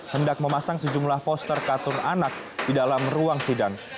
hendak memasang sejumlah poster katun anak di dalam ruang sidang